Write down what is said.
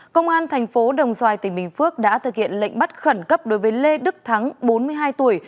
công an thành phố đồng xoài tỉnh bình phước đã thực hiện lệnh bắt khẩn cấp đối với lê đức thắng bốn mươi hai tuổi